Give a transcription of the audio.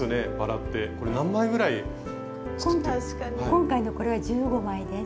今回のこれは１５枚です。